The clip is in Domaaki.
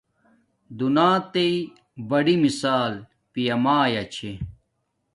دنیاتݵ بڑی مشال پیا مایا چھے